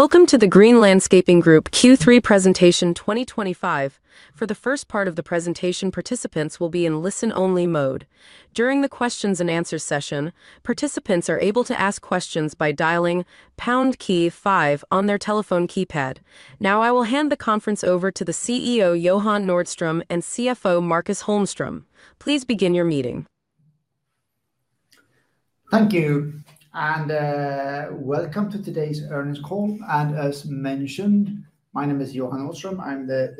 Welcome to the Green Landscaping Group Q3 Presentation 2025. For the first part of the presentation, participants will be in listen-only mode. During the question-and-answers session, participants are able to ask questions by dialing pound key five on their telephone keypad. Now, I will hand the conference over to the CEO, Johan Nordström, and CFO, Markus Holmström. Please begin your meeting. Thank you, and welcome to today's earnings call. As mentioned, my name is Johan Nordström. I'm the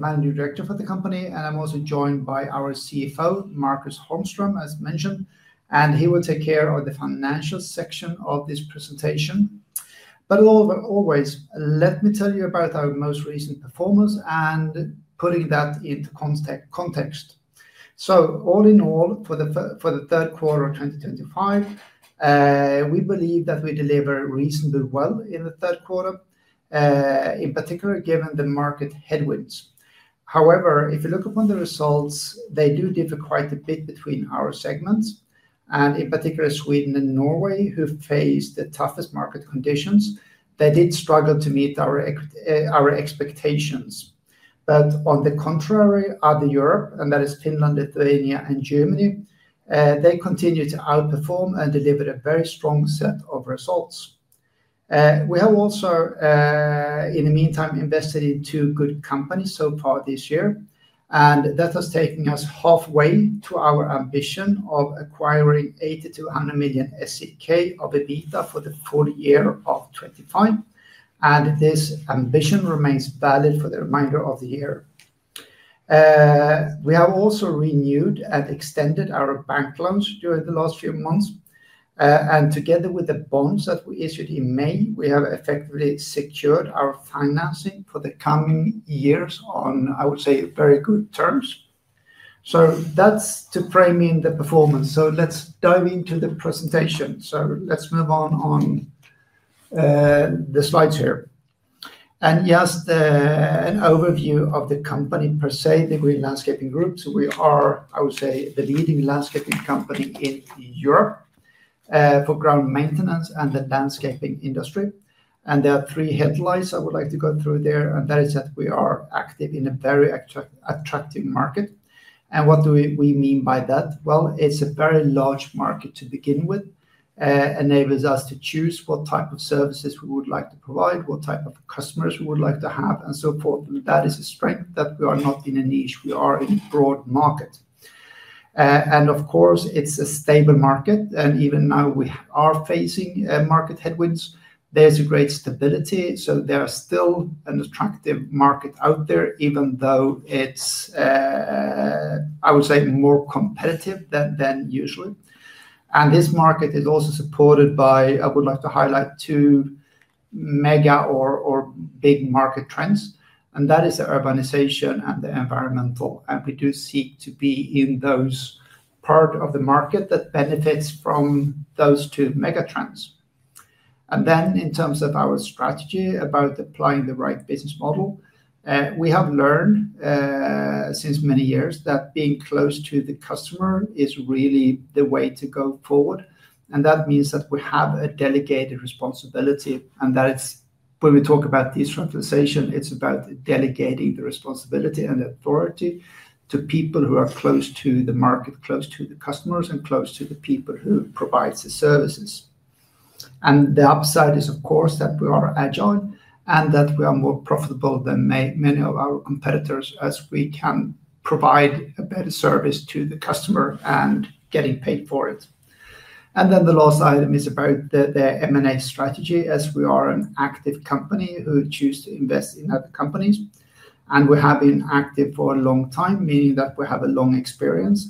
Managing Director for the company, and I'm also joined by our CFO, Markus Holmström, as mentioned. He will take care of the financial section of this presentation. Let me tell you about our most recent performance and put that into context. All in all, for the third quarter of 2025, we believe that we delivered reasonably well in the third quarter, in particular given the market headwinds. However, if you look upon the results, they do differ quite a bit between our segments. In particular, Sweden and Norway, who faced the toughest market conditions, did struggle to meet our expectations. On the contrary, Other Europe, and that is Finland, Lithuania, and Germany, continued to outperform and delivered a very strong set of results. We have also, in the meantime, invested in two good companies so far this year, and that has taken us halfway to our ambition of acquiring 80 million-100 million SEK of EBITDA for the full year of 2025. This ambition remains valid for the remainder of the year. We have also renewed and extended our bank loans during the last few months, and together with the bonds that were issued in May, we have effectively secured our financing for the coming years on, I would say, very good terms. That's to frame in the performance. Let's dive into the presentation. Let's move on to the slides here. Yes, an overview of the company per se, the Green Landscaping Group. We are, I would say, the leading landscaping company in Europe for ground maintenance and the landscaping industry. There are three headlines I would like to go through there, and that is that we are active in a very attractive market. What do we mean by that? It's a very large market to begin with. It enables us to choose what type of services we would like to provide, what type of customers we would like to have, and so forth. That is a strength that we are not in a niche. We are in a broad market. Of course, it's a stable market, and even now we are facing market headwinds. There's a great stability, so there is still an attractive market out there, even though it's, I would say, more competitive than usual. This market is also supported by, I would like to highlight, two mega or big market trends, and that is the urbanization and the environmental. We do seek to be in those parts of the market that benefit from those two mega trends. In terms of our strategy about applying the right business model, we have learned since many years that being close to the customer is really the way to go forward. That means that we have a delegated responsibility, and that is when we talk about decentralization, it's about delegating the responsibility and the authority to people who are close to the market, close to the customers, and close to the people who provide the services. The upside is, of course, that we are agile and that we are more profitable than many of our competitors as we can provide a better service to the customer and getting paid for it. The last item is about the M&A strategy, as we are an active company who chooses to invest in other companies. We have been active for a long time, meaning that we have a long experience.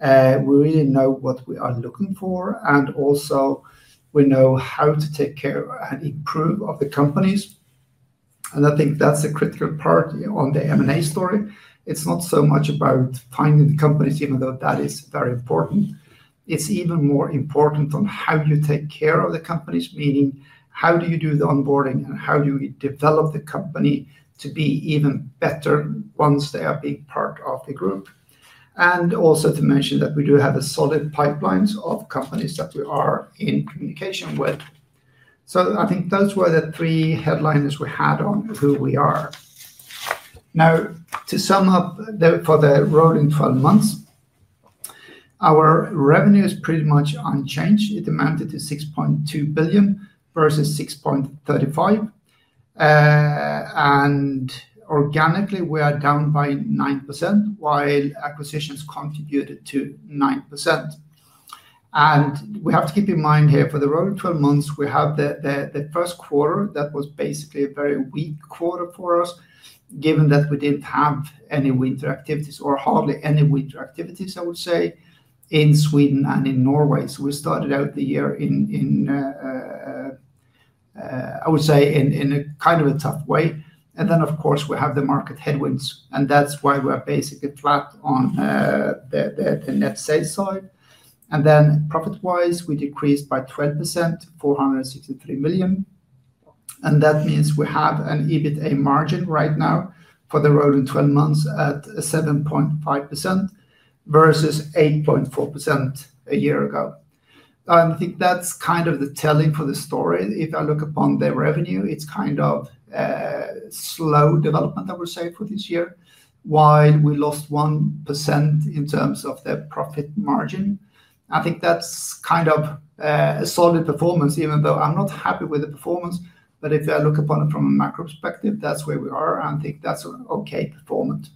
We really know what we are looking for, and also we know how to take care and improve the companies. I think that's a critical part on the M&A story. It's not so much about finding the companies, even though that is very important. It's even more important on how you take care of the companies, meaning how do you do the onboarding and how do we develop the company to be even better once they are a big part of the group. Also, to mention that we do have solid pipelines of companies that we are in communication with. I think those were the three headlines we had on who we are. Now, to sum up for the rolling 12 months, our revenue is pretty much unchanged. It amounted to 6.2 billion versus 6.35 billion. Organically, we are down by 9%, while acquisitions contributed to 9%. We have to keep in mind here for the rolling 12 months, we have the first quarter that was basically a very weak quarter for us, given that we didn't have any winter activities or hardly any winter activities, I would say, in Sweden and in Norway. We started out the year, I would say, in a kind of a tough way. Of course, we have the market headwinds, and that's why we are basically trapped on the net sales side. Profit-wise, we decreased by 12%, 463 million. That means we have an EBITDA margin right now for the rolling 12 months at 7.5% versus 8.4% a year ago. I think that's kind of the telling for the story. If I look upon the revenue, it's kind of a slow development, I would say, for this year, while we lost 1% in terms of the profit margin. I think that's kind of a solid performance, even though I'm not happy with the performance. If I look upon it from a macro perspective, that's where we are, and I think that's an okay performance.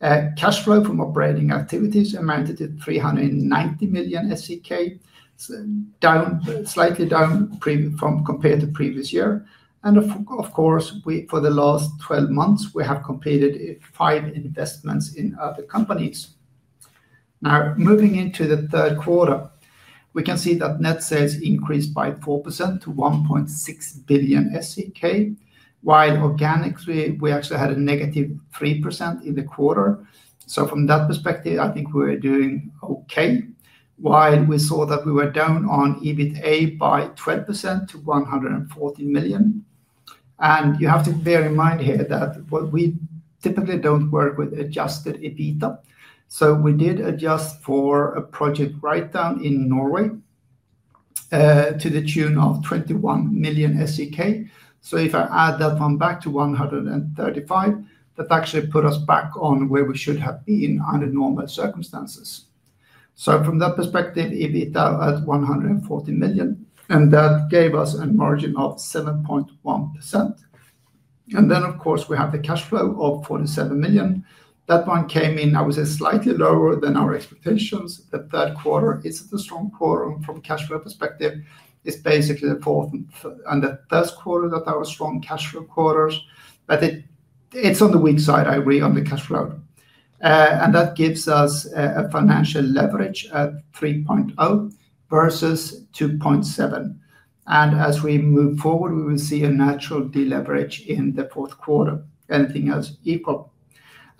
Cash flow from operating activities amounted to 390 million SEK, slightly down compared to the previous year. Of course, for the last 12 months, we have completed five investments in other companies. Now, moving into the third quarter, we can see that net sales increased by 4% to 1.6 billion SEK. Organically, we actually had a -3% in the quarter. From that perspective, I think we were doing okay, while we saw that we were down on EBITDA by 12% to 140 million. You have to bear in mind here that we typically don't work with adjusted EBITDA. We did adjust for a project write-down in Norway to the tune of 21 million SEK. If I add that one back to 135 million, that actually put us back on where we should have been under normal circumstances. From that perspective, EBITDA at 140 million gave us a margin of 7.1%. We have the cash flow of 47 million. That one came in, I would say, slightly lower than our expectations. The third quarter is a strong quarter from a cash flow perspective. It's basically the fourth and the third quarter that are strong cash flow quarters, but it's on the weak side, I agree, on the cash flow. That gives us a financial leverage at 3.0x versus 2.7x. As we move forward, we will see a natural deleverage in the fourth quarter.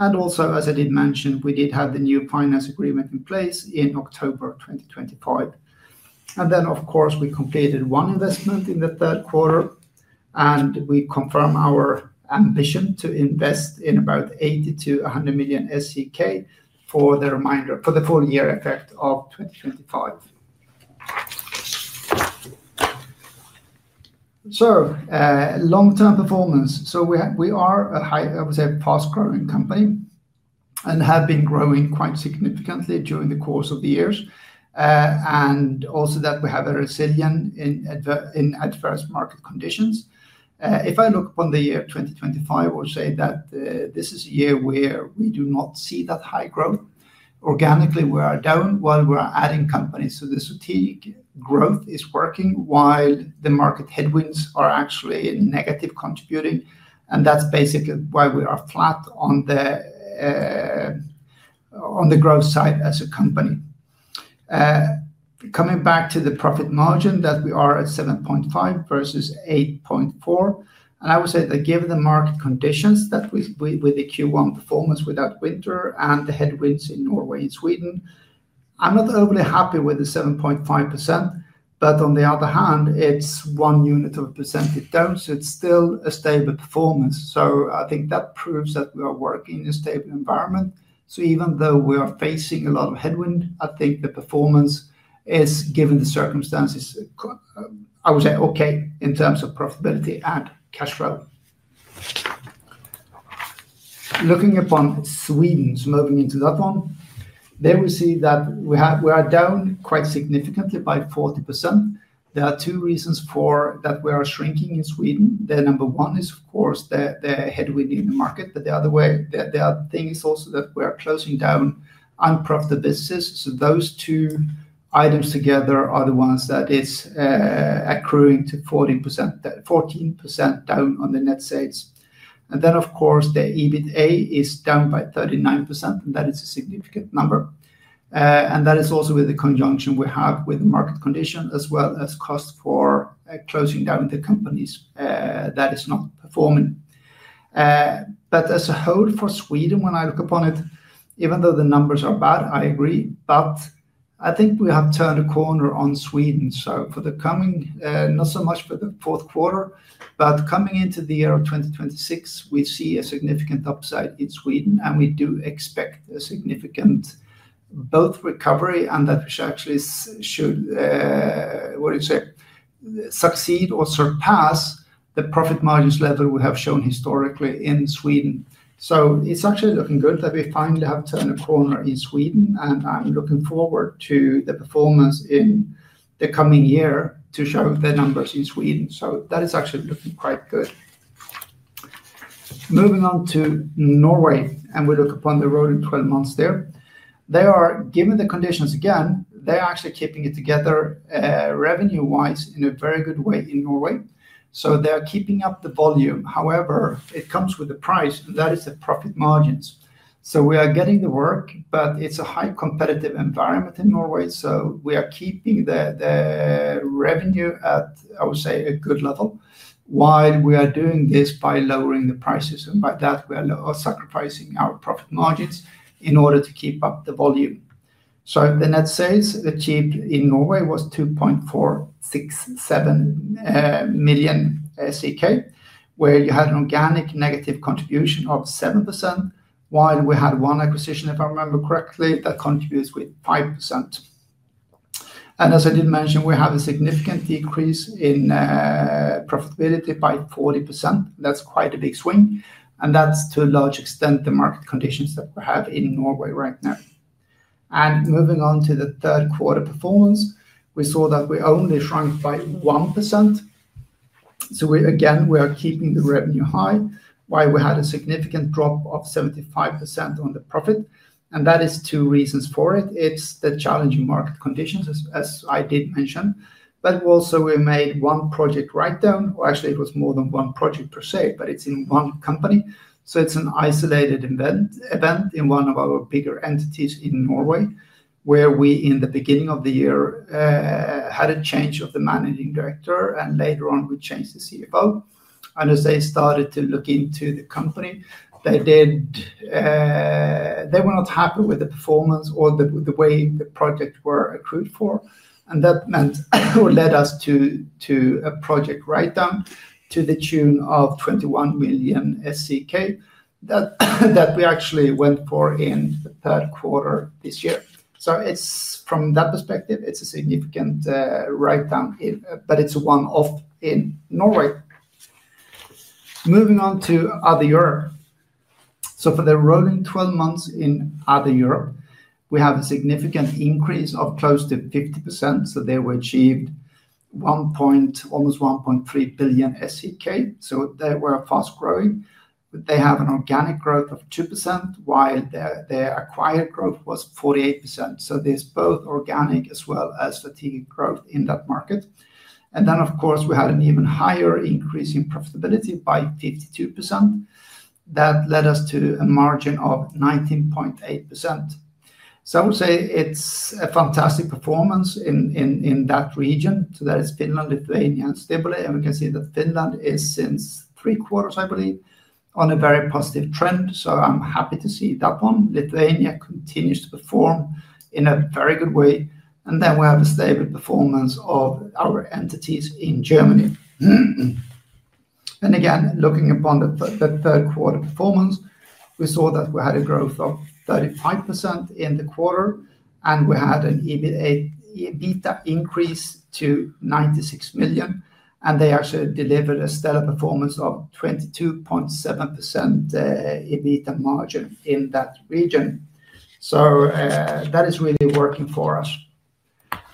Also, as I did mention, we did have the new finance agreement in place in October 2025. We completed one investment in the third quarter, and we confirm our ambition to invest about 80 million-100 million for the full year effect of 2025. Long-term performance, we are a high, I would say, fast-growing company and have been growing quite significantly during the course of the years. Also, we have a resilience in adverse market conditions. If I look upon the year 2025, I would say that this is a year where we do not see that high growth. Organically, we are down while we are adding companies. The strategic growth is working while the market headwinds are actually negatively contributing. That's basically why we are flat on the growth side as a company. Coming back to the profit margin, we are at 7.5% versus 8.4%. I would say that given the market conditions with the Q1 performance without winter and the headwinds in Norway and Sweden, I'm not overly happy with the 7.5%. On the other hand, it's one unit of a percent down, so it's still a stable performance. I think that proves that we are working in a stable environment. Even though we are facing a lot of headwind, I think the performance is, given the circumstances, I would say okay in terms of profitability and cash flow. Looking upon Sweden, moving into that one, there we see that we are down quite significantly by 40%. There are two reasons for that we are shrinking in Sweden. Number one is, of course, the headwind in the market. The other thing is also that we are closing down unprofitable businesses. Those two items together are the ones that are accruing to 14% down on the net sales. Of course, the EBITDA is down by 39%, and that is a significant number. That is also with the conjunction we have with the market condition as well as cost for closing down the companies that are not performing. As a whole for Sweden, when I look upon it, even though the numbers are bad, I agree. I think we have turned a corner on Sweden. For the coming, not so much for the fourth quarter, but coming into the year of 2026, we see a significant upside in Sweden, and we do expect a significant both recovery and that we should actually succeed or surpass the profit margins level we have shown historically in Sweden. It's actually looking good that we finally have turned a corner in Sweden, and I'm looking forward to the performance in the coming year to show the numbers in Sweden. That is actually looking quite good. Moving on to Norway, and we look upon the rolling 12 months there. Given the conditions again, they are actually keeping it together revenue-wise in a very good way in Norway. They are keeping up the volume. However, it comes with a price, and that is the profit margins. We are getting the work, but it's a highly competitive environment in Norway. We are keeping the revenue at, I would say, a good level, while we are doing this by lowering the prices. By that, we are sacrificing our profit margins in order to keep up the volume. The net sales achieved in Norway was 2.467 million SEK, where you had an organic negative contribution of 7%, while we had one acquisition, if I remember correctly, that contributes with 5%. As I did mention, we have a significant decrease in profitability by 40%. That's quite a big swing, and that's to a large extent the market conditions that we have in Norway right now. Moving on to the third quarter performance, we saw that we only shrank by 1%. Again, we are keeping the revenue high, while we had a significant drop of 75% on the profit. That is two reasons for it. It's the challenging market conditions, as I did mention. Also, we made one project write-down. Actually, it was more than one project per se, but it's in one company. It's an isolated event in one of our bigger entities in Norway, where we, in the beginning of the year, had a change of the Managing Director, and later on, we changed the CFO. As they started to look into the company, they were not happy with the performance or the way the projects were accrued for. That led us to a project write-down to the tune of 21 million that we actually went for in the third quarter this year. From that perspective, it's a significant write-down, but it's a one-off in Norway. Moving on to other Europe. For the rolling 12 months in other Europe, we have a significant increase of close to 50%. There we achieved almost 1.3 billion SEK. They were fast-growing. They have an organic growth of 2%, while their acquired growth was 48%. There's both organic as well as strategic growth in that market. Of course, we had an even higher increase in profitability by 52%. That led us to a margin of 19.8%. I would say it's a fantastic performance in that region. That is Finland, Lithuania, and stable entities. We can see that Finland is since three quarters, I believe, on a very positive trend. I'm happy to see that one. Lithuania continues to perform in a very good way. We have a stable performance of our entities in Germany. Again, looking upon the third quarter performance, we saw that we had a growth of 35% in the quarter, and we had an EBITDA increase to 96 million. They actually delivered a stellar performance of 22.7% EBITDA margin in that region. That is really working for us.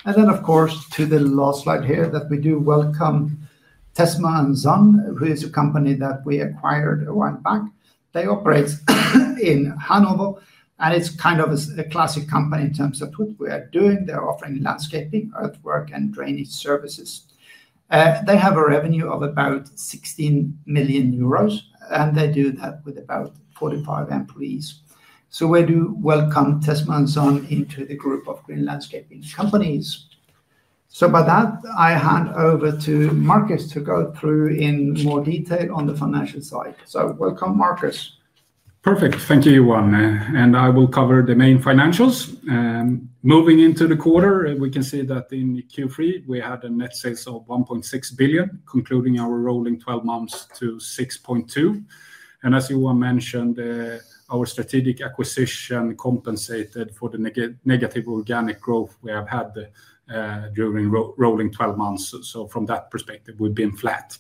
To the last slide here, we do welcome Tessmer & Sohn, who is a company that we acquired a while back. They operate in Hanover, and it's kind of a classic company in terms of what we are doing. They're offering landscaping, earthwork, and drainage services. They have a revenue of about 16 million euros, and they do that with about 45 employees. We do welcome Tessmer & Sohn into the group of Green Landscaping companies. By that, I hand over to Markus to go through in more detail on the financial side. Welcome, Markus. Perfect. Thank you, Johan. I will cover the main financials. Moving into the quarter, we can see that in Q3, we had a net sales of 1.6 billion, concluding our rolling 12 months to 6.2 billion. As Johan mentioned, our strategic acquisition compensated for the negative organic growth we have had during rolling 12 months. From that perspective, we've been flat.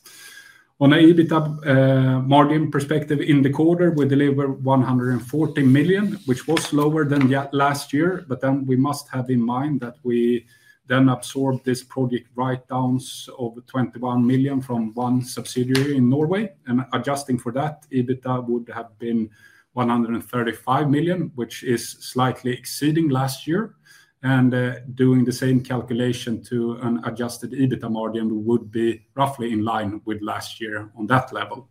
On an EBITDA margin perspective in the quarter, we delivered 140 million, which was lower than last year. We must have in mind that we then absorbed this project write-down of 21 million from one subsidiary in Norway. Adjusting for that, EBITDA would have been 135 million, which is slightly exceeding last year. Doing the same calculation to an adjusted EBITDA margin would be roughly in line with last year on that level.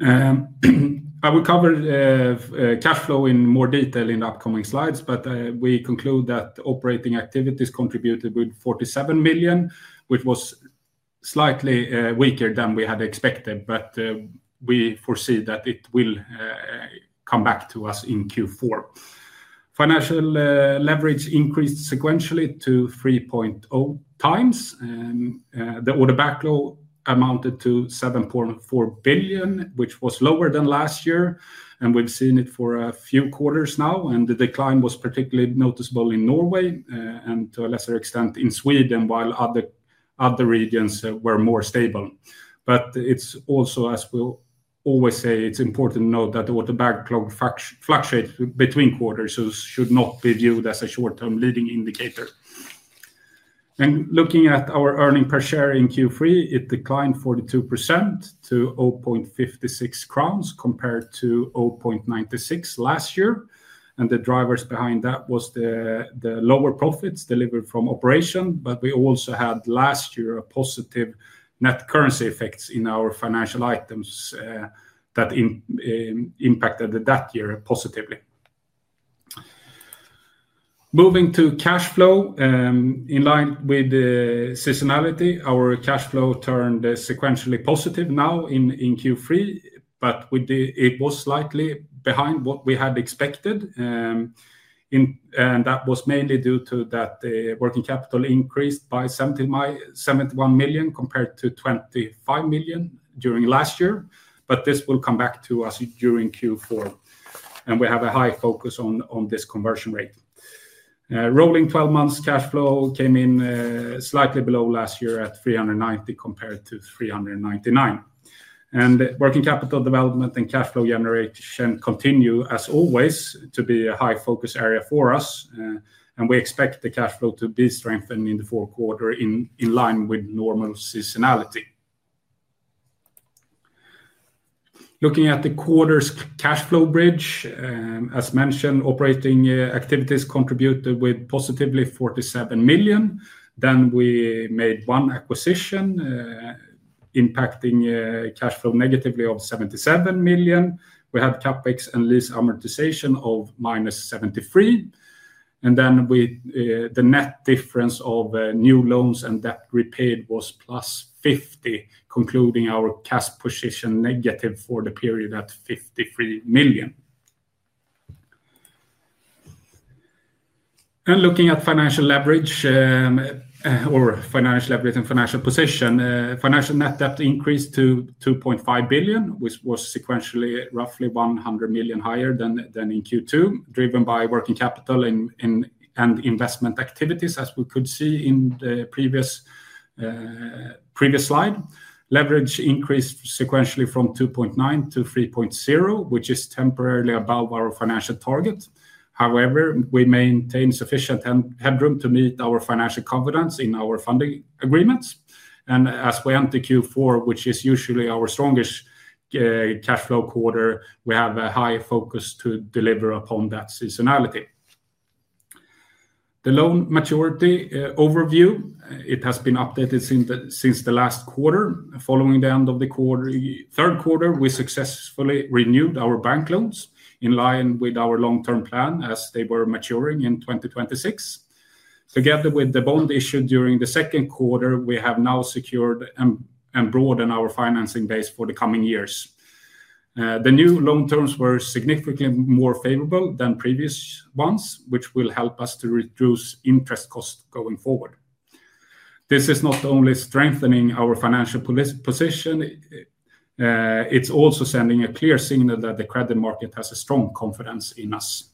I will cover cash flow in more detail in the upcoming slides, but we conclude that operating activities contributed with 47 million, which was slightly weaker than we had expected. We foresee that it will come back to us in Q4. Financial leverage increased sequentially to 3.0x. The order backlog amounted to 7.4 billion, which was lower than last year. We've seen it for a few quarters now, and the decline was particularly noticeable in Norway and to a lesser extent in Sweden, while other regions were more stable. It is also, as we always say, important to note that the order backlog fluctuates between quarters, so it should not be viewed as a short-term leading indicator. Looking at our earnings per share in Q3, it declined 42% to 0.56 crowns compared to 0.96 last year. The drivers behind that were the lower profits delivered from operation, but we also had last year positive net currency effects in our financial items that impacted that year positively. Moving to cash flow, in line with seasonality, our cash flow turned sequentially positive now in Q3, but it was slightly behind what we had expected. That was mainly due to the working capital increased by 71 million compared to 25 million during last year. This will come back to us during Q4, and we have a high focus on this conversion rate. Rolling 12 months cash flow came in slightly below last year at 390 million compared to 399 million. Working capital development and cash flow generation continue, as always, to be a high focus area for us. We expect the cash flow to be strengthened in the fourth quarter in line with normal seasonality. Looking at the quarter's cash flow bridge, as mentioned, operating activities contributed with positively 47 million. We made one acquisition impacting cash flow negatively of 77 million. We had CapEx and lease amortization of minus 73 million. The net difference of new loans and debt repaid was plus 50 million, concluding our cash position negative for the period at 53 million. Looking at financial leverage and financial position, financial net debt increased to 2.5 billion, which was sequentially roughly 100 million higher than in Q2, driven by working capital and investment activities, as we could see in the previous slide. Leverage increased sequentially from 2.9x to 3.0x, which is temporarily above our financial target. However, we maintain sufficient headroom to meet our financial confidence in our funding agreements. As we enter Q4, which is usually our strongest cash flow quarter, we have a high focus to deliver upon that seasonality. The loan maturity overview has been updated since the last quarter. Following the end of the third quarter, we successfully renewed our bank loans in line with our long-term plan as they were maturing in 2026. Together with the bond issued during the second quarter, we have now secured and broadened our financing base for the coming years. The new loan terms were significantly more favorable than previous ones, which will help us to reduce interest costs going forward. This is not only strengthening our financial position, it's also sending a clear signal that the credit market has a strong confidence in us.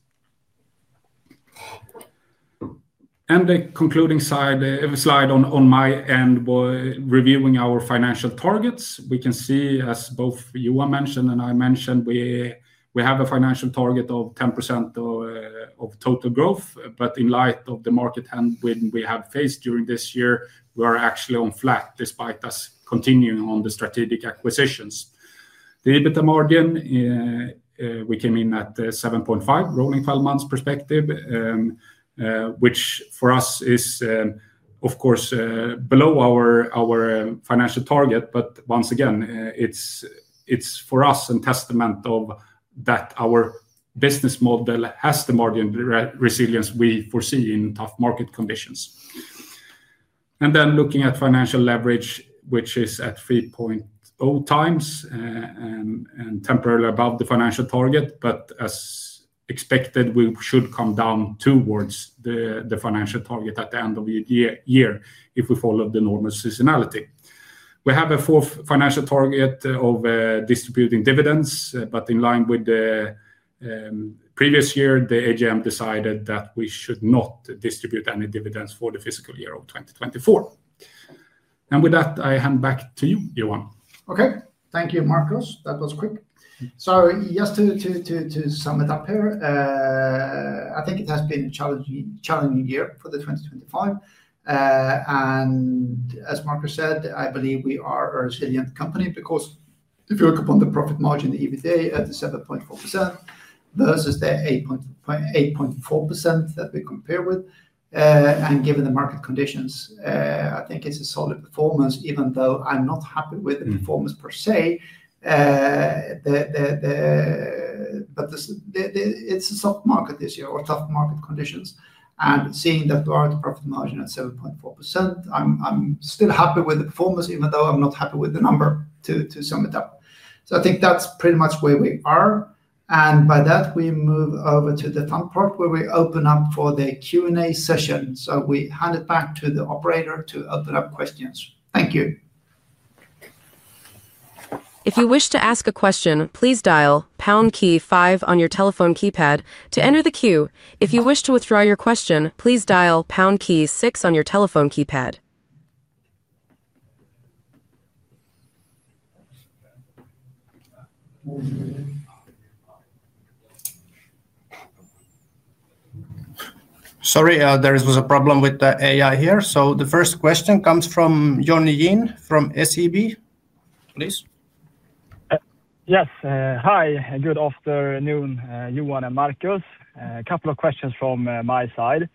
The concluding slide on my end was reviewing our financial targets. We can see, as both Johan mentioned and I mentioned, we have a financial target of 10% of total growth. In light of the market headwind we have faced during this year, we are actually on flat despite us continuing on the strategic acquisitions. The EBITDA margin, we came in at 7.5% rolling 12 months perspective, which for us is, of course, below our financial target. Once again, it's for us a testament of that our business model has the margin resilience we foresee in tough market conditions. Looking at financial leverage, which is at 3.0x and temporarily above the financial target. As expected, we should come down towards the financial target at the end of the year if we follow the normal seasonality. We have a fourth financial target of distributing dividends. In line with the previous year, the AGM decided that we should not distribute any dividends for the fiscal year of 2024. With that, I hand back to you, Johan. Okay. Thank you, Markus. That was quick. Yes, to sum it up here, I think it has been a challenging year for 2025. As Markus said, I believe we are a resilient company because if you look upon the profit margin, the EBITDA at 7.4% versus the 8.4% that we compare with. Given the market conditions, I think it's a solid performance, even though I'm not happy with the performance per se. It is a soft market this year or tough market conditions. Seeing that we are at a profit margin at 7.4%, I'm still happy with the performance, even though I'm not happy with the number, to sum it up. I think that's pretty much where we are. By that, we move over to the part where we open up for the Q&A session. We hand it back to the operator to open up questions. Thank you. If you wish to ask a question, please dial pound key five on your telephone keypad to enter the queue. If you wish to withdraw your question, please dial pound key six on your telephone keypad. Sorry, there was a problem with the AI here. The first question comes from [Johnny Yin] from SEB. Please. Yes. Hi, good afternoon, Johan and Markus. A couple of questions from my side.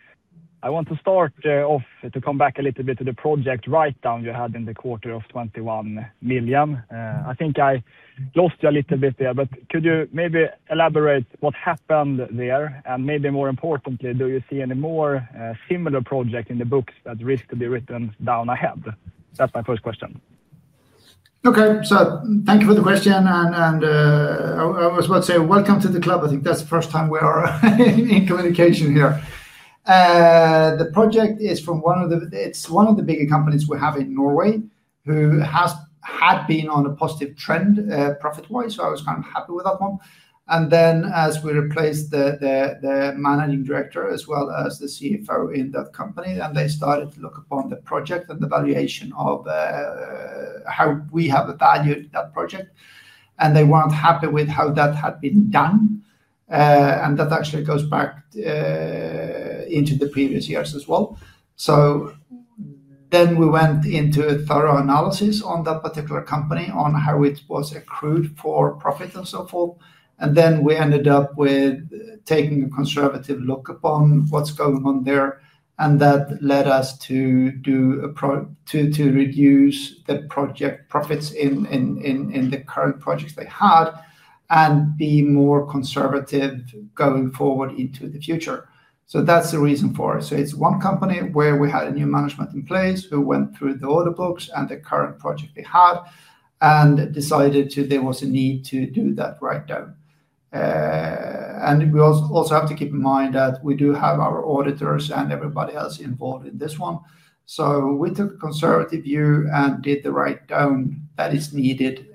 I want to start off to come back a little bit to the project write-down you had in the quarter of 21 million. I think I lost you a little bit there, but could you maybe elaborate what happened there? Maybe more importantly, do you see any more similar projects in the books that risk to be written down ahead? That's my first question. Thank you for the question. I was about to say welcome to the club. I think that's the first time we are in communication here. The project is from one of the bigger companies we have in Norway, who had been on a positive trend profit-wise. I was kind of happy with that one. As we replaced the Managing Director as well as the CFO in that company, they started to look upon the project and the valuation of how we have valued that project. They weren't happy with how that had been done. That actually goes back into the previous years as well. We went into a thorough analysis on that particular company on how it was accrued for profit and so forth. We ended up with taking a conservative look upon what's going on there. That led us to reduce the project profits in the current projects they had and be more conservative going forward into the future. That's the reason for it. It's one company where we had a new management in place who went through the order books and the current project they had and decided there was a need to do that write-down. We also have to keep in mind that we do have our auditors and everybody else involved in this one. We took a conservative view and did the write-down that is needed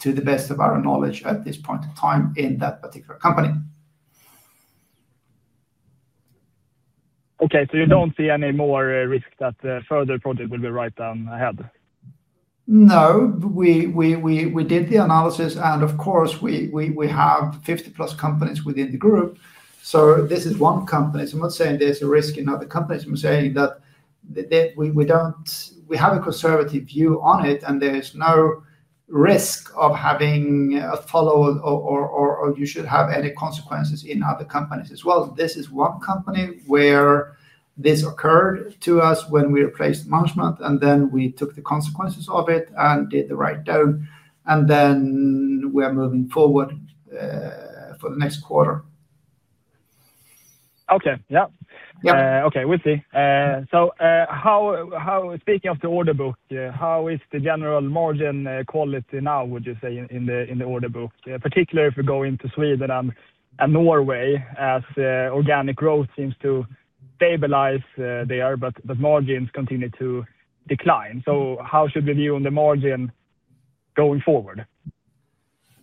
to the best of our knowledge at this point in time in that particular company. You don't see any more risk that further project will be write-down ahead? No, we did the analysis. Of course, we have 50+ companies within the group. This is one company. I'm not saying there's a risk in other companies. I'm saying that we have a conservative view on it, and there's no risk of having a follow-up or you should have any consequences in other companies as well. This is one company where this occurred to us when we replaced management, and we took the consequences of it and did the write-down. We are moving forward for the next quarter. Okay. Yeah. Okay. We'll see. Speaking of the order book, how is the general margin quality now, would you say, in the order book, particularly if we go into Sweden and Norway, as organic growth seems to stabilize there, but margins continue to decline? How should we view on the margin going forward?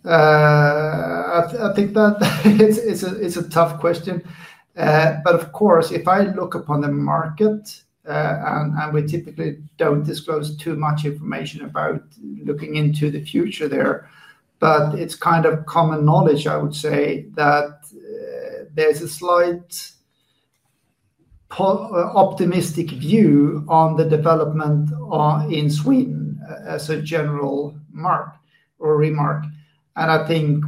I think that it's a tough question. Of course, if I look upon the market, and we typically don't disclose too much information about looking into the future there, it's kind of common knowledge, I would say, that there's a slight optimistic view on the development in Sweden as a general remark. I think,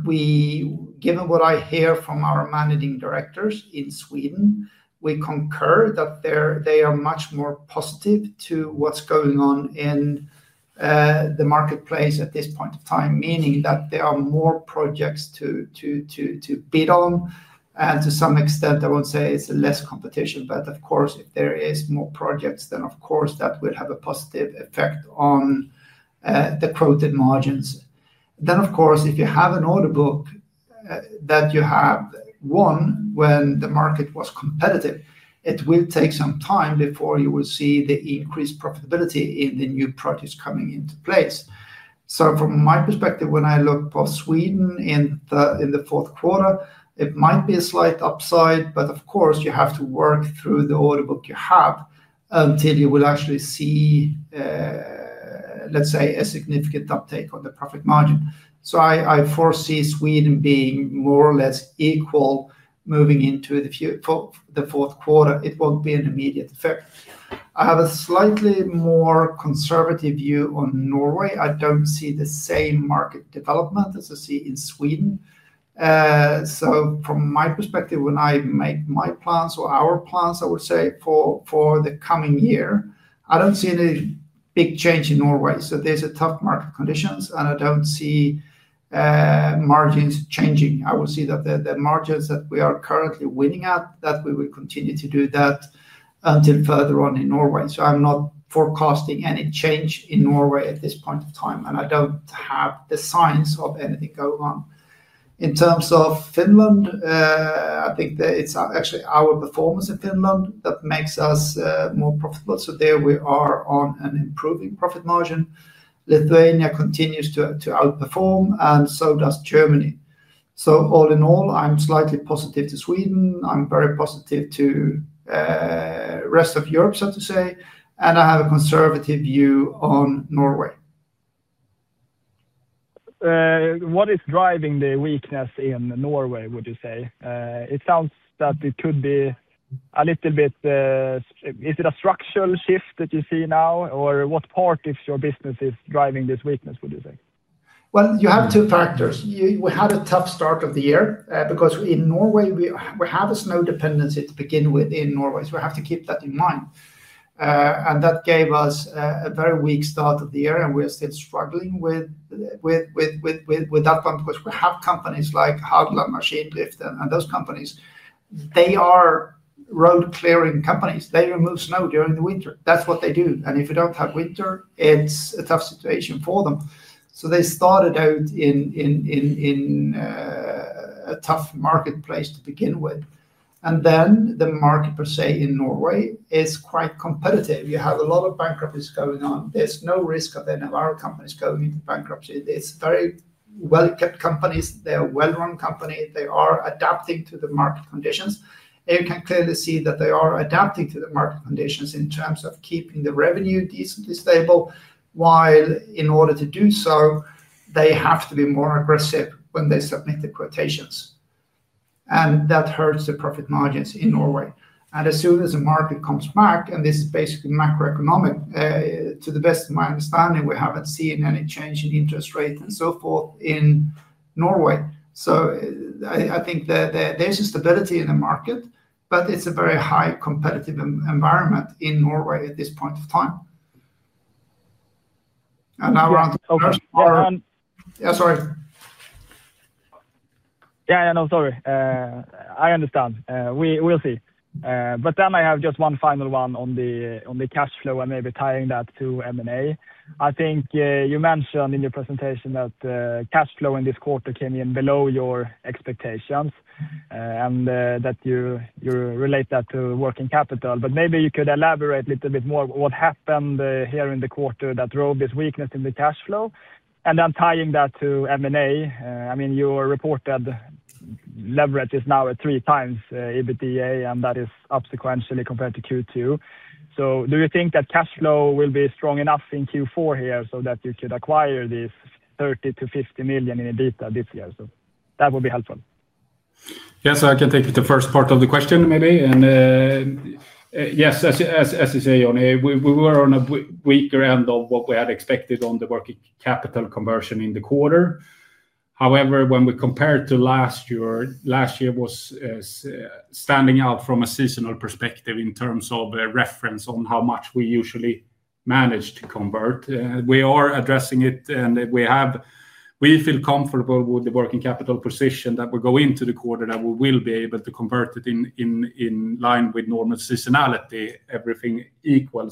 given what I hear from our Managing Directors in Sweden, we concur that they are much more positive to what's going on in the marketplace at this point in time, meaning that there are more projects to bid on. To some extent, I won't say it's less competition, but if there are more projects, then of course that will have a positive effect on the quoted margins. If you have an order book that you have won when the market was competitive, it will take some time before you will see the increased profitability in the new projects coming into place. From my perspective, when I look for Sweden in the fourth quarter, it might be a slight upside, but you have to work through the order book you have until you will actually see, let's say, a significant uptake on the profit margin. I foresee Sweden being more or less equal moving into the fourth quarter. It won't be an immediate effect. I have a slightly more conservative view on Norway. I don't see the same market development as I see in Sweden. From my perspective, when I make my plans or our plans, I would say for the coming year, I don't see any big change in Norway. There's tough market conditions, and I don't see margins changing. I will see that the margins that we are currently winning at, that we will continue to do that until further on in Norway. I'm not forecasting any change in Norway at this point in time, and I don't have the signs of anything going on. In terms of Finland, I think it's actually our performance in Finland that makes us more profitable. There we are on an improving profit margin. Lithuania continues to outperform, and so does Germany. All in all, I'm slightly positive to Sweden. I'm very positive to the rest of Europe, so to say, and I have a conservative view on Norway. What is driving the weakness in Norway, would you say? It sounds that it could be a little bit... Is it a structural shift that you see now, or what part of your business is driving this weakness, would you say? You have two factors. We had a tough start of the year because in Norway, we have a snow dependency to begin with in Norway. We have to keep that in mind. That gave us a very weak start of the year, and we are still struggling with that one because we have companies like Hooglund, Machine Lift, and those companies. They are road clearing companies. They remove snow during the winter. That's what they do. If we don't have winter, it's a tough situation for them. They started out in a tough marketplace to begin with. The market per se in Norway is quite competitive. You have a lot of bankruptcies going on. There's no risk of any of our companies going into bankruptcy. It's very well-kept companies. They're a well-run company. They are adapting to the market conditions. You can clearly see that they are adapting to the market conditions in terms of keeping the revenue decently stable. In order to do so, they have to be more aggressive when they submit the quotations. That hurts the profit margins in Norway. As soon as the market comes back, and this is basically macroeconomic, to the best of my understanding, we haven't seen any change in interest rates and so forth in Norway. I think there's a stability in the market, but it's a very high competitive environment in Norway at this point in time. Now we're on to... Yeah, I know. Sorry. I understand. We'll see. I have just one final one on the cash flow and maybe tying that to M&A. I think you mentioned in your presentation that cash flow in this quarter came in below your expectations and that you relate that to working capital. Maybe you could elaborate a little bit more what happened here in the quarter that drove this weakness in the cash flow and then tying that to M&A. I mean, your reported leverage is now at 3x EBITDA, and that is up sequentially compared to Q2. Do you think that cash flow will be strong enough in Q4 here so that you could acquire these 30 million-50 million in EBITDA this year? That would be helpful. Yes. I can take the first part of the question maybe. Yes, as you say, Johan, we were on a weaker end of what we had expected on the working capital conversion in the quarter. However, when we compare to last year, last year was standing out from a seasonal perspective in terms of a reference on how much we usually manage to convert. We are addressing it, and we feel comfortable with the working capital position that we go into the quarter that we will be able to convert it in line with normal seasonality, everything equal.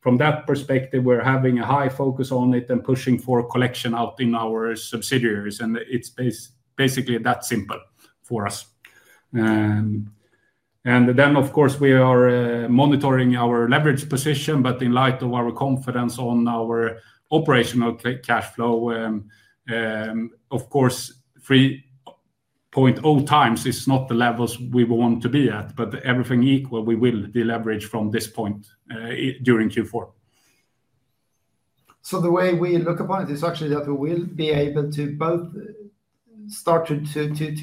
From that perspective, we're having a high focus on it and pushing for a collection out in our subsidiaries. It's basically that simple for us. Of course, we are monitoring our leverage position, but in light of our confidence on our operational cash flow, of course, 3.0x is not the levels we want to be at, but everything equal, we will deleverage from this point during Q4. The way we look upon it is actually that we will be able to both start to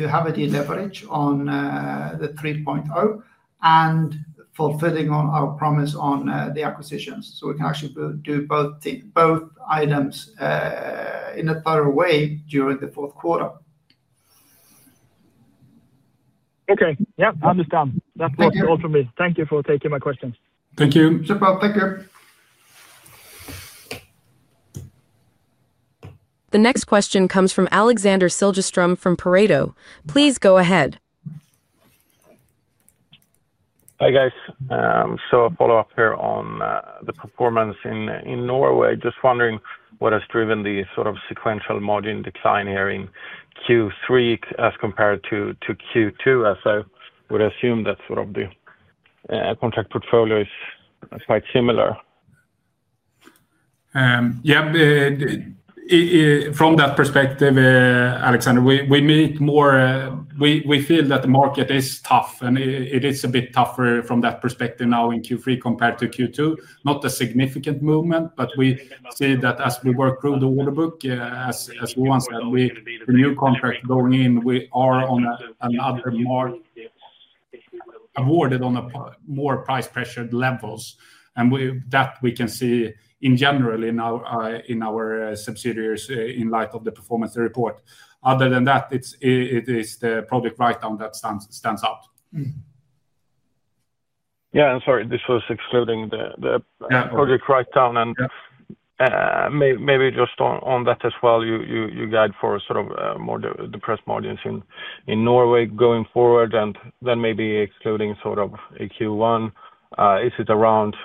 have a deleverage on the 3.0x and fulfilling our promise on the acquisitions. We can actually do both items in a thorough way during the fourth quarter. Okay. I understand. That's all from me. Thank you for taking my questions. Thank you. Super. Thank you. The next question comes from Alexander Siljeström from Pareto. Please go ahead. Hi guys, a follow-up here on the performance in Norway. Just wondering what has driven the sort of sequential margin decline here in Q3 as compared to Q2. I would assume that the contract portfolio is quite similar. Yeah. From that perspective, Alexander, we feel that the market is tough, and it is a bit tougher from that perspective now in Q3 compared to Q2. Not a significant movement, but we see that as we work through the order book, as Johan said, the new contract going in, we are on another market awarded on a more price-pressured level. That we can see in general in our subsidiaries in light of the performance report. Other than that, it is the project write-down that stands out. Sorry, this was excluding the project write-down. Maybe just on that as well, you guide for sort of more depressed margins in Norway going forward, and then maybe excluding sort of a Q1. Is it around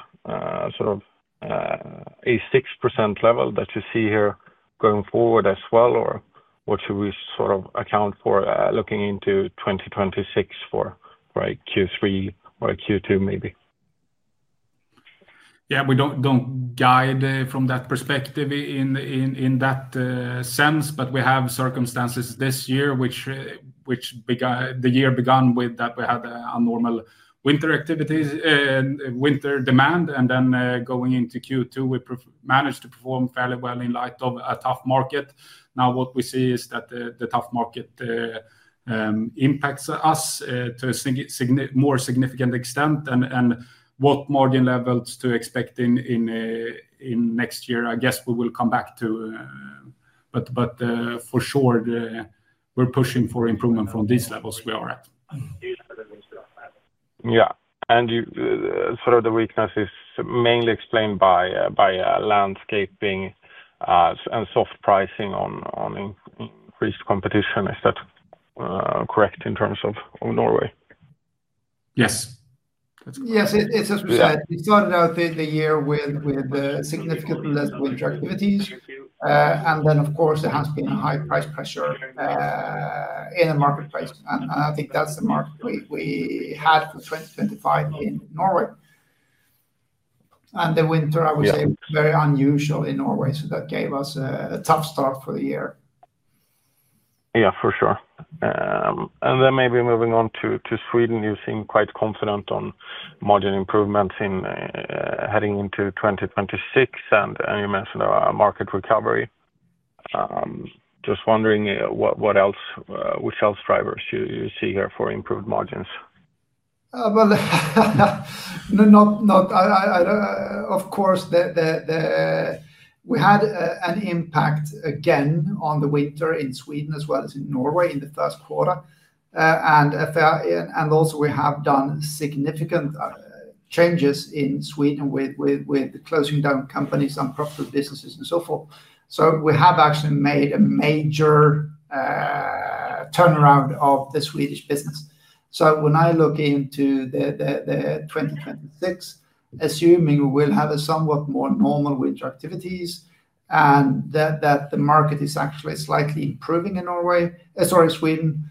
sort of a 6% level that you see here going forward as well, or what should we sort of account for looking into 2026 for Q3 or Q2 maybe? Yeah. We don't guide from that perspective in that sense, but we have circumstances this year, which the year began with that we had an abnormal winter demand. Going into Q2, we managed to perform fairly well in light of a tough market. Now what we see is that the tough market impacts us to a more significant extent. What margin levels to expect in next year, I guess we will come back to. For sure, we're pushing for improvement from these levels we are at. Yeah. You sort of the weakness is mainly explained by landscaping and soft pricing on increased competition. Is that correct in terms of Norway? Yes. Yes. It's as we said. We started out the year with significantly less winter activities. There has been a high price pressure in the marketplace. I think that's the market we had for 2025 in Norway. The winter, I would say, was very unusual in Norway. That gave us a tough start for the year. Yeah, for sure. Maybe moving on to Sweden, you seem quite confident on margin improvements heading into 2026. You mentioned a market recovery. Just wondering what else drivers you see here for improved margins. Of course, we had an impact again on the winter in Sweden as well as in Norway in the first quarter. Also, we have done significant changes in Sweden with closing down companies and profitable businesses and so forth. We have actually made a major turnaround of the Swedish business. When I look into 2026, assuming we will have a somewhat more normal winter activities and that the market is actually slightly improving in Sweden,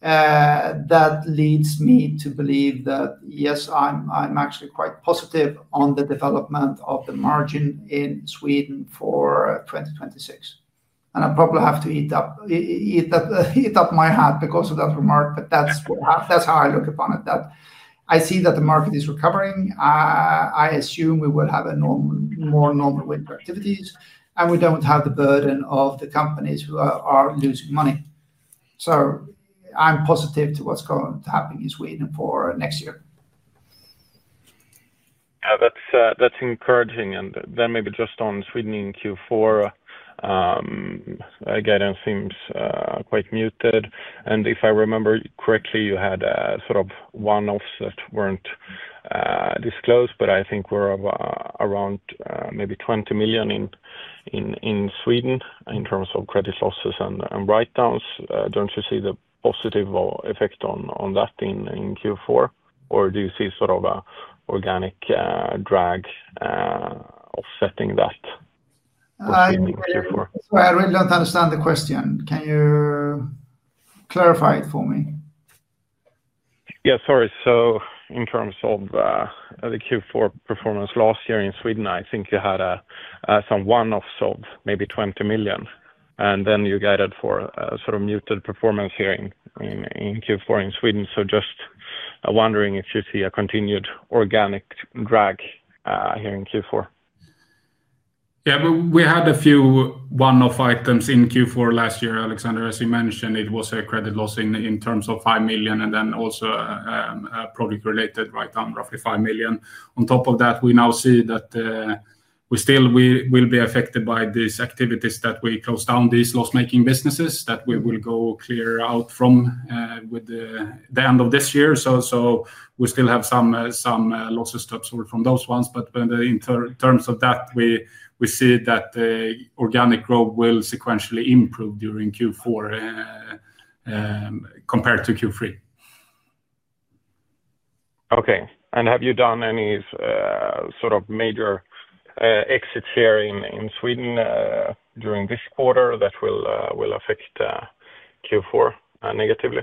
that leads me to believe that yes, I'm actually quite positive on the development of the margin in Sweden for 2026. I probably have to eat up my hat because of that remark, but that's how I look upon it. I see that the market is recovering. I assume we will have more normal winter activities, and we don't have the burden of the companies who are losing money. I'm positive to what's going to happen in Sweden for next year. That's encouraging. Maybe just on Sweden in Q4, again, it seems quite muted. If I remember correctly, you had sort of one-offs that weren't disclosed, but I think were around maybe 20 million in Sweden in terms of credit losses and write-downs. Don't you see the positive effect on that in Q4, or do you see sort of an organic drag offsetting that in Q4? Sorry, I really don't understand the question. Can you clarify it for me? Sorry. In terms of the Q4 performance last year in Sweden, I think you had some one-offs of maybe 20 million. You guided for a sort of muted performance here in Q4 in Sweden. Just wondering if you see a continued organic drag here in Q4. Yeah, we had a few one-off items in Q4 last year, Alexander. As you mentioned, it was a credit loss in terms of 5 million, and then also a project-related write-down, roughly 5 million. On top of that, we now see that we still will be affected by these activities that we close down, these loss-making businesses that we will go clear out from with the end of this year. We still have some losses to absorb from those ones. In terms of that, we see that the organic growth will sequentially improve during Q4 compared to Q3. Okay. Have you done any sort of major exits here in Sweden during this quarter that will affect Q4 negatively?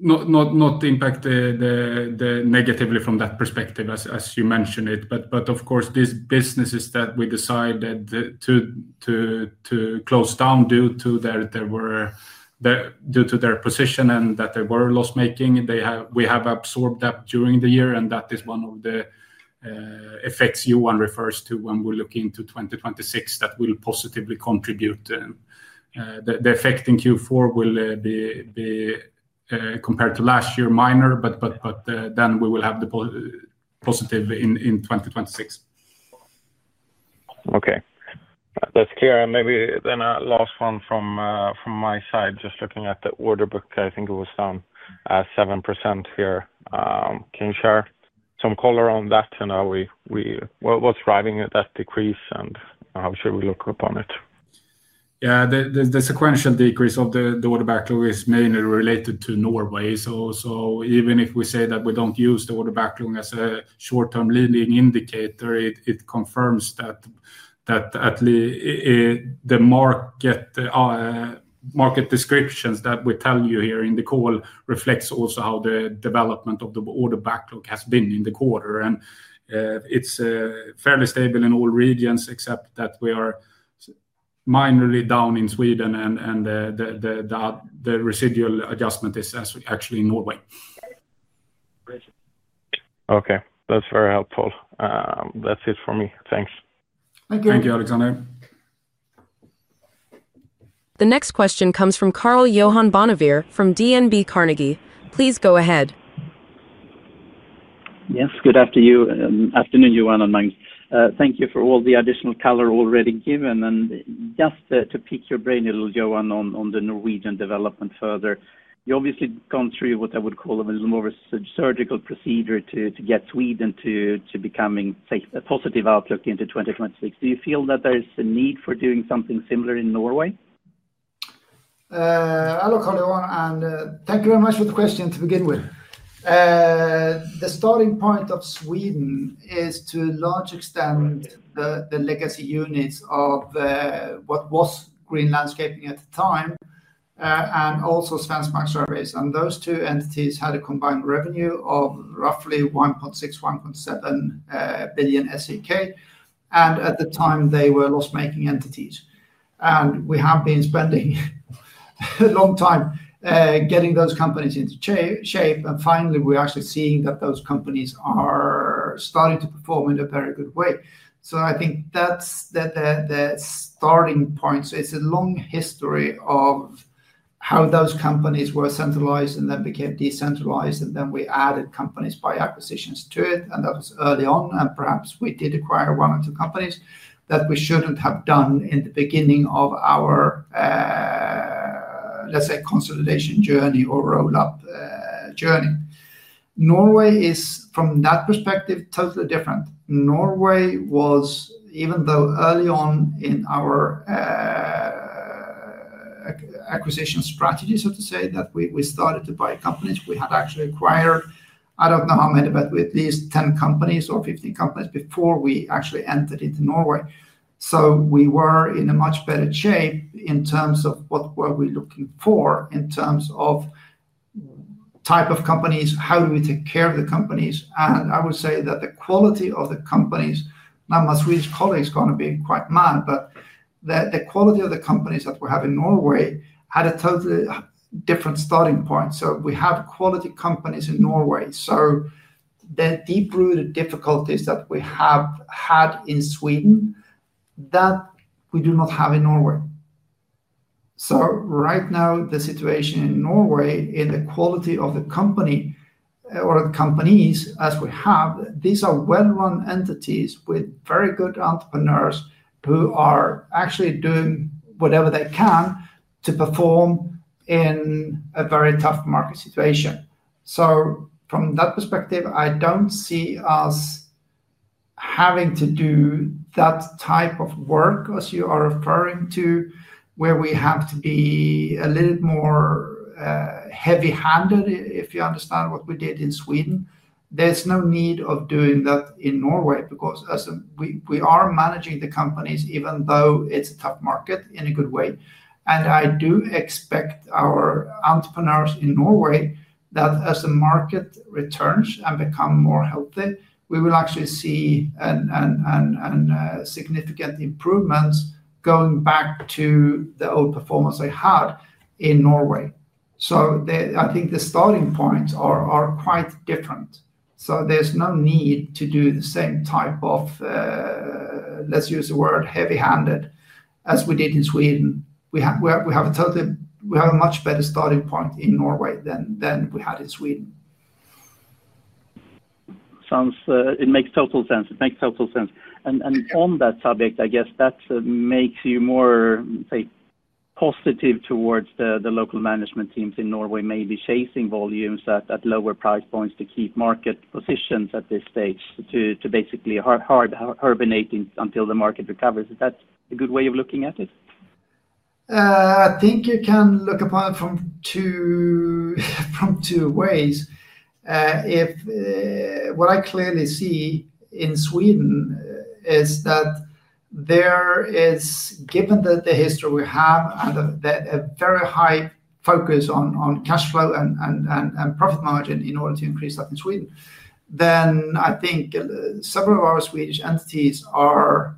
Not impact negatively from that perspective, as you mentioned it. Of course, these businesses that we decided to close down due to their position and that they were loss-making, we have absorbed that during the year. That is one of the effects Johan refers to when we look into 2026 that will positively contribute. The effect in Q4 will be, compared to last year, minor, but we will have the positive in 2026. Okay. That's clear. Maybe then a last one from my side, just looking at the order book, I think it was down 7% here. Can you share some color on that and what's driving that decrease and how should we look upon it? Yeah, the sequential decrease of the order backlog is mainly related to Norway. Even if we say that we don't use the order backlog as a short-term leading indicator, it confirms that the market descriptions that we tell you here in the call reflect also how the development of the order backlog has been in the quarter. It's fairly stable in all regions, except that we are minorly down in Sweden, and the residual adjustment is actually in Norway. Okay. That's very helpful. That's it for me. Thanks. Thank you, Alexander. The next question comes from Carl Johan Bonnevier from DNB Carnegie. Please go ahead. Yes, good afternoon, Johan, and thank you for all the additional color already given. Just to pick your brain a little, Johan, on the Norwegian development further, you obviously have gone through what I would call a little more of a surgical procedure to get Sweden to becoming a positive outlook into 2026. Do you feel that there is a need for doing something similar in Norway? Hello Carl Johan, and thank you very much for the question to begin with. The starting point of Sweden is to a large extent the legacy units of what was Green Landscaping at the time and also Svensk Markservice Those two entities had a combined revenue of roughly 1.6, 1.7 billion SEK. At the time, they were loss-making entities. We have been spending a long time getting those companies into shape, and finally, we're actually seeing that those companies are starting to perform in a very good way. I think that's the starting point. It's a long history of how those companies were centralized and then became decentralized, and then we added companies by acquisitions to it. That was early on, and perhaps we did acquire one or two companies that we shouldn't have done in the beginning of our, let's say, consolidation journey or roll-up journey. Norway is, from that perspective, totally different. Norway was, even though early on in our acquisition strategy, so to say, that we started to buy companies, we had actually acquired, I don't know how many, but at least 10 companies or 15 companies before we actually entered into Norway. We were in a much better shape in terms of what we're looking for in terms of type of companies, how do we take care of the companies. I would say that the quality of the companies, now my Swedish colleague is going to be quite mad, but the quality of the companies that we have in Norway had a totally different starting point. We have quality companies in Norway. The deep-rooted difficulties that we have had in Sweden, that we do not have in Norway. Right now, the situation in Norway in the quality of the company or the companies, as we have, these are well-run entities with very good entrepreneurs who are actually doing whatever they can to perform in a very tough market situation. From that perspective, I don't see us having to do that type of work, as you are referring to, where we have to be a little more heavy-handed, if you understand what we did in Sweden. There's no need of doing that in Norway because we are managing the companies, even though it's a tough market in a good way. I do expect our entrepreneurs in Norway that as the market returns and becomes more healthy, we will actually see significant improvements going back to the old performance they had in Norway. I think the starting points are quite different. There's no need to do the same type of, let's use the word, heavy-handed as we did in Sweden. We have a much better starting point in Norway than we had in Sweden. It makes total sense. On that subject, I guess that makes you more positive towards the local management teams in Norway, maybe chasing volumes at lower price points to keep market positions at this stage to basically hard hibernate until the market recovers. Is that a good way of looking at it? I think you can look upon it from two ways. What I clearly see in Sweden is that given the history we have and a very high focus on cash flow and profit margin in order to increase that in Sweden, I think several of our Swedish entities are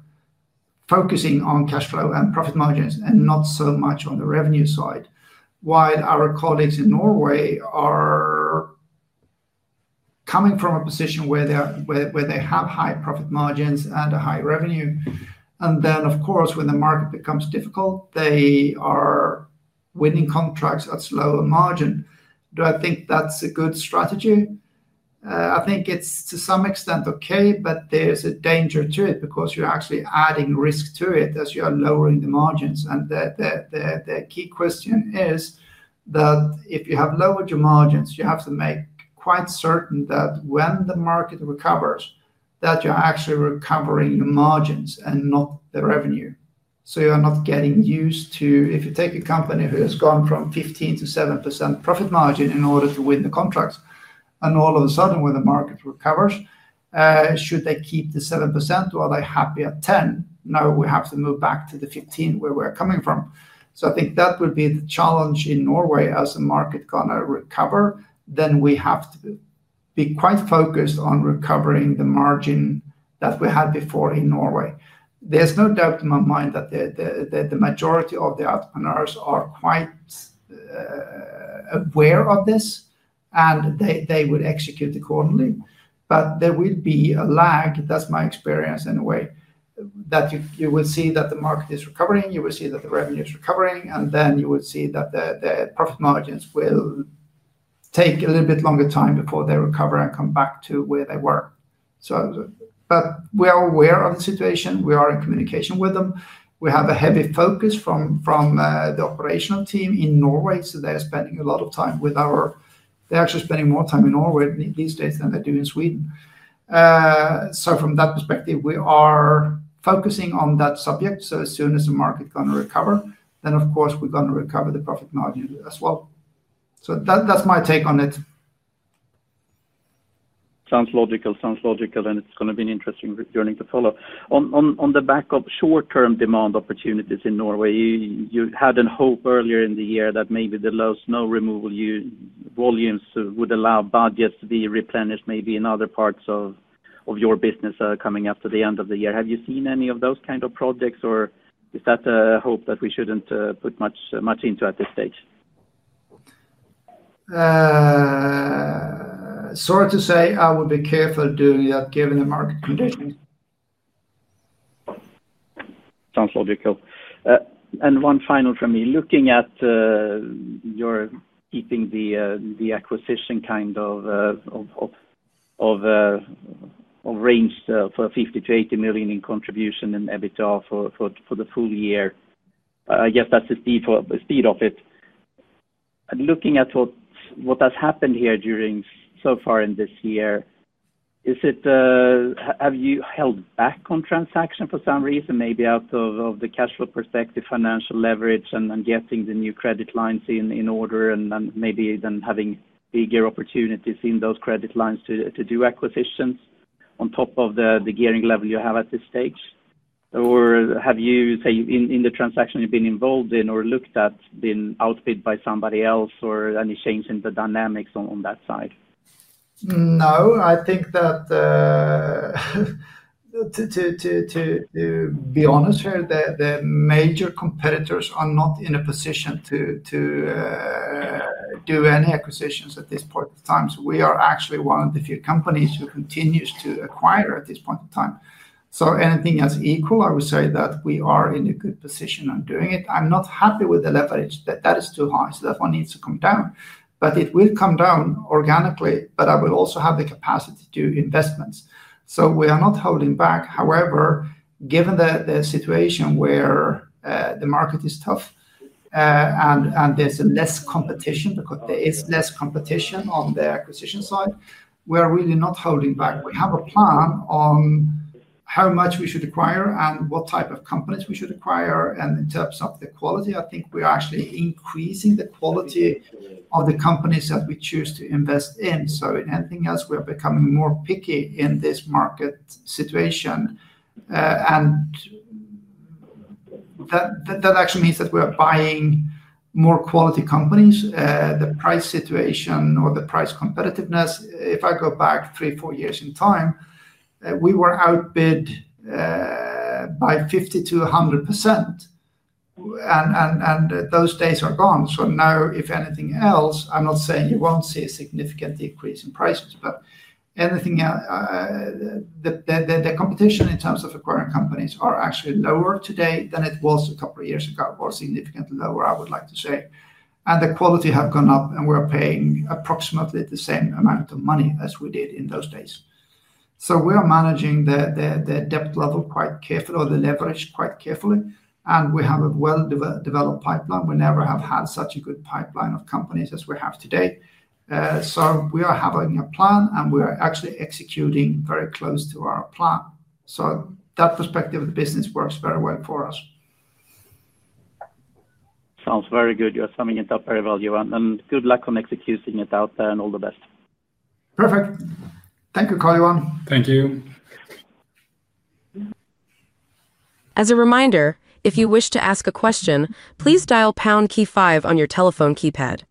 focusing on cash flow and profit margins and not so much on the revenue side. While our colleagues in Norway are coming from a position where they have high profit margins and a high revenue, when the market becomes difficult, they are winning contracts at slower margin. Do I think that's a good strategy? I think it's to some extent okay, but there's a danger to it because you're actually adding risk to it as you are lowering the margins. The key question is that if you have lowered your margins, you have to make quite certain that when the market recovers, you're actually recovering your margins and not the revenue. You're not getting used to, if you take a company who has gone from 15%-7% profit margin in order to win the contracts, and all of a sudden when the market recovers, should they keep the 7% or are they happy at 10%? No, we have to move back to the 15% where we're coming from. I think that would be the challenge in Norway as the market is going to recover. We have to be quite focused on recovering the margin that we had before in Norway. There's no doubt in my mind that the majority of the entrepreneurs are quite aware of this, and they would execute accordingly. There will be a lag, that's my experience anyway, that you will see that the market is recovering, you will see that the revenue is recovering, and then you will see that the profit margins will take a little bit longer time before they recover and come back to where they were. We are aware of the situation. We are in communication with them. We have a heavy focus from the operational team in Norway. They're spending a lot of time with our... They're actually spending more time in Norway these days than they do in Sweden. From that perspective, we are focusing on that subject. As soon as the market is going to recover, of course we're going to recover the profit margin as well. That's my take on it. Sounds logical, and it's going to be an interesting journey to follow. On the back of short-term demand opportunities in Norway, you had a hope earlier in the year that maybe the low snow removal volumes would allow budgets to be replenished maybe in other parts of your business coming after the end of the year. Have you seen any of those kinds of projects, or is that a hope that we shouldn't put much into at this stage? Sorry to say, I would be careful doing that given the market conditions. Sounds logical. One final from me, looking at your keeping the acquisition kind of range for 50 million-80 million in contribution and EBITDA for the full year. I guess that's the speed of it. Looking at what has happened here so far in this year, have you held back on transactions for some reason, maybe out of the cash flow perspective, financial leverage, and then getting the new credit lines in order, and maybe then having bigger opportunities in those credit lines to do acquisitions on top of the gearing level you have at this stage? Have you, in the transactions you've been involved in or looked at, been outbid by somebody else, or any change in the dynamics on that side? No, I think that to be honest here, the major competitors are not in a position to do any acquisitions at this point in time. We are actually one of the few companies who continues to acquire at this point in time. Anything else equal, I would say that we are in a good position on doing it. I'm not happy with the leverage that is too high, so that one needs to come down. It will come down organically, but I will also have the capacity to do investments. We are not holding back. However, given the situation where the market is tough and there's less competition, because there is less competition on the acquisition side, we are really not holding back. We have a plan on how much we should acquire and what type of companies we should acquire. In terms of the quality, I think we are actually increasing the quality of the companies that we choose to invest in. Anything else, we are becoming more picky in this market situation. That actually means that we are buying more quality companies. The price situation or the price competitiveness, if I go back three, four years in time, we were outbid by 50%-100%, and those days are gone. Now, if anything else, I'm not saying you won't see a significant decrease in prices, but the competition in terms of acquiring companies is actually lower today than it was a couple of years ago or significantly lower, I would like to say. The quality has gone up, and we are paying approximately the same amount of money as we did in those days. We are managing the debt level quite carefully or the leverage quite carefully, and we have a well-developed pipeline. We never have had such a good pipeline of companies as we have today. We are having a plan, and we are actually executing very close to our plan. That perspective of the business works very well for us. Sounds very good. You're summing it up very well, Johan. Good luck on executing it out there and all the best. Perfect. Thank you, Carl Johan. Thank you. As a reminder, if you wish to ask a question, please dial pound key five on your telephone keypad.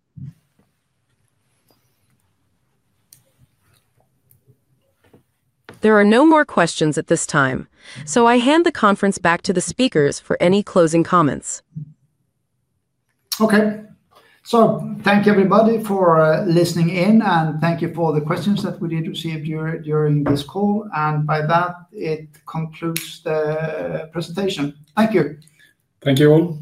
There are no more questions at this time, so I hand the conference back to the speakers for any closing comments. Okay. Thank you everybody for listening in, and thank you for the questions that we did receive during this call. By that, it concludes the presentation. Thank you. Thank you all.